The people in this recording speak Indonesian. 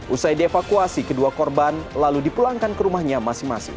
usai dievakuasi kedua korban lalu dipulangkan ke rumahnya masing masing